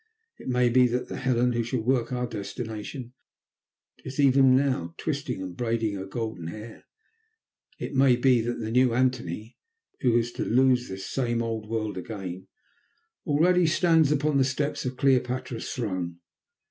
It may be that the Helen who shall work our destruction is even now twisting and braiding her golden hair; it may be that the new Antony, who is to lose this same old world again, already stands upon the steps of Cleopatra's throne.